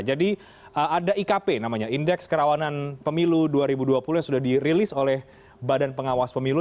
jadi ada ikp namanya indeks kerawanan pemilu dua ribu dua puluh yang sudah dirilis oleh badan pengawas pemilu